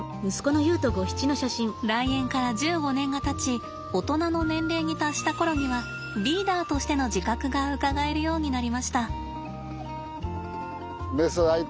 来園から１５年がたち大人の年齢に達した頃にはリーダーとしての自覚がうかがえるようになりました。